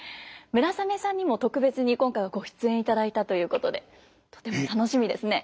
村雨さんにも特別に今回はご出演いただいたということでとても楽しみですね。